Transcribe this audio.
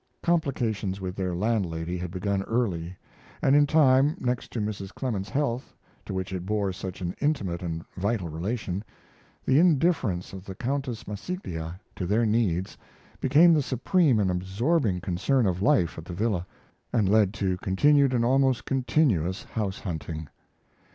Complications with their landlady had begun early, and in time, next to Mrs. Clemens's health, to which it bore such an intimate and vital relation, the indifference of the Countess Massiglia to their needs became the supreme and absorbing concern of life at the villa, and led to continued and almost continuous house hunting.